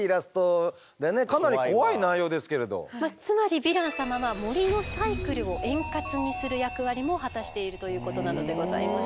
つまりヴィラン様は森のサイクルを円滑にする役割も果たしているということなのでございます。